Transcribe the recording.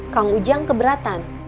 kang ujang keberatan